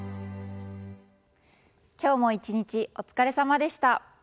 今日も一日お疲れさまでした。